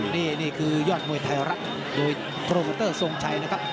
นี่คือยอดมวยไทยรัฐโดยโปรโมเตอร์ทรงชัยนะครับ